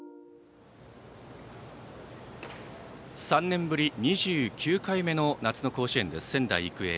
３年ぶり２９回目の夏の甲子園です、仙台育英。